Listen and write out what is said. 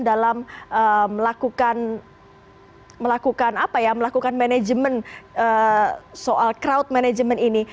dalam melakukan manajemen soal crowd manajemen ini